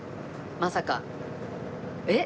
まさかえっ？